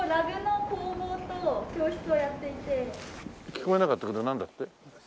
聞こえなかったけどなんだって？